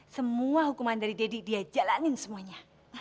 semua hukuman dari deddy dia jalanin semuanya